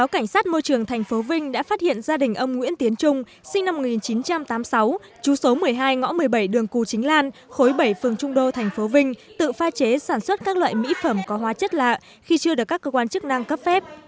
cảnh sát môi trường tp vinh đã phát hiện gia đình ông nguyễn tiến trung sinh năm một nghìn chín trăm tám mươi sáu chú số một mươi hai ngõ một mươi bảy đường cù chính lan khối bảy phường trung đô tp vinh tự pha chế sản xuất các loại mỹ phẩm có hóa chất lạ khi chưa được các cơ quan chức năng cấp phép